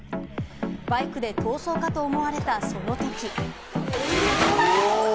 バイクで逃走かと思われたその時。